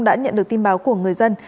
đã nhận được tin báo của người dân